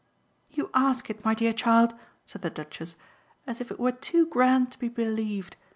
"You ask it, my dear child," said the Duchess, "as if it were too grand to be believed.